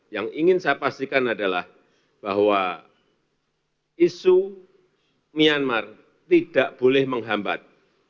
yang ingin saya pastikan adalah bahwa isu myanmar tidak boleh menghambat